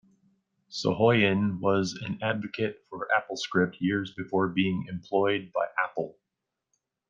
Soghoian was an advocate for AppleScript years before being employed by Apple.